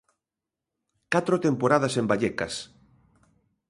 Catro temporadas en Vallecas.